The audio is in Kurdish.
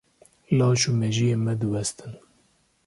Laş û mejiyê me diwestin.